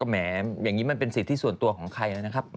แหมอย่างนี้มันเป็นสิทธิส่วนตัวของใครนะครับ